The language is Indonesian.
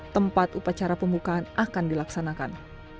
tempat upacara pembukaan akan dilaksanakan